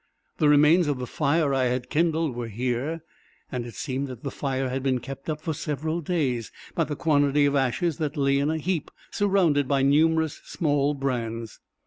The remains of the fire I had kindled were here, and it seemed that the fire had been kept up for several days, by the quantity of ashes that lay in a heap, surrounded by numerous small brands.